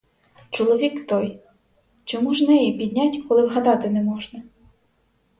Чоловік той — чому ж неї піднять, коли вгадати не можна?